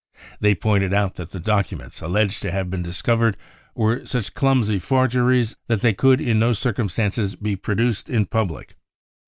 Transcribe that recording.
They pointed out that the documents alleged to have been discovered were such clumsy forgeries that they could in no circumstances be produced in public.